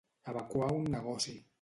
Evacuar un negoci.